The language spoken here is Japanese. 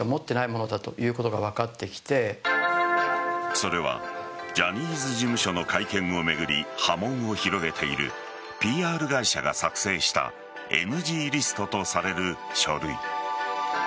それはジャニーズ事務所の会見を巡り波紋を広げているＰＲ会社が作成したＮＧリストとされる書類。